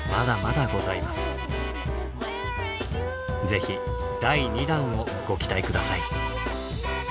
ぜひ第２弾をご期待下さい。